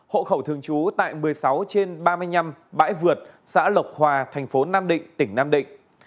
hộ khẩu thường chú tại một mươi sáu trên ba mươi năm bãi vượt xã lộc hòa tp nam định tỉnh nam định